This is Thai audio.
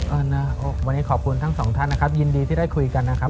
นะวันนี้ขอบคุณทั้งสองท่านนะครับยินดีที่ได้คุยกันนะครับ